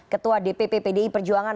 ketua dpp pdi perjuangan